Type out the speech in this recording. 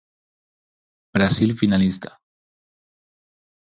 Brasil finalista.